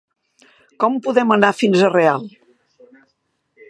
Com podem anar fins a Real?